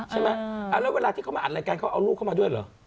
ใช่ไหมแล้วเวลาที่เขามาอัดรายการเขาเอาลูกเข้ามาด้วยเหรอ